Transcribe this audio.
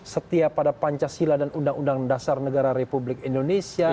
setia pada pancasila dan undang undang dasar negara republik indonesia